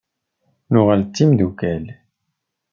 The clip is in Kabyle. Nuɣal d timeddukal.